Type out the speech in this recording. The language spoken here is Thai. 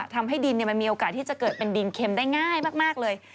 ทำให้ดินมันมีโอกาสที่จะเกิดเป็นดินเข็มได้ง่ายมากเลย